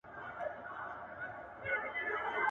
په ډېرو ئې لېوني خوشاله کېږي.